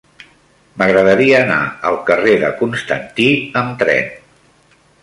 M'agradaria anar al carrer de Constantí amb tren.